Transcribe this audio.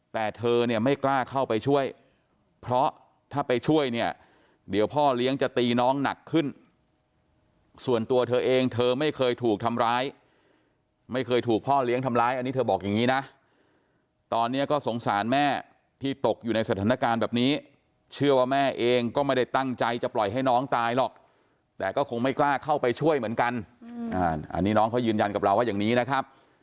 แต่เธอเนี่ยไม่กล้าเข้าไปช่วยเพราะถ้าไปช่วยเนี่ยเดี๋ยวพ่อเลี้ยงจะตีน้องหนักขึ้นส่วนตัวเธอเองเธอไม่เคยถูกทำร้ายไม่เคยถูกพ่อเลี้ยงทำร้ายอันนี้เธอบอกอย่างนี้นะตอนนี้ก็สงสารแม่ที่ตกอยู่ในสถานการณ์แบบนี้เชื่อว่าแม่เองก็ไม่ได้ตั้งใจจะปล่อยให้น้องตายหรอกแต่ก็คงไม่กล้าเข้าไปช่วยเหมือนกันอันนี้น้องเขายืนยันกับเราว่าอย่างนี้นะครับ